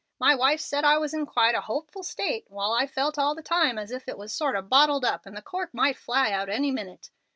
My wife said I was in quite a 'hopeful state,' while I felt all the time as if I was sort of bottled up and the cork might fly out any minute.